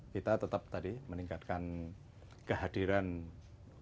kita tetap tadi meningkatkan kehadiran unsur unsur kita